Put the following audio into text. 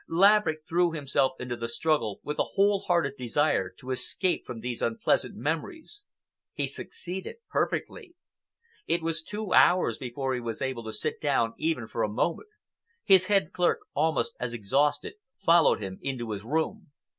Laverick threw himself into the struggle with a whole hearted desire to escape from these unpleasant memories. He succeeded perfectly. It was two hours before he was able to sit down even for a moment. His head clerk, almost as exhausted, followed him into his room.